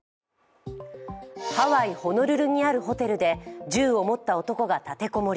ハワイ・ホノルルにあるホテルで銃を持った男が立て籠もり。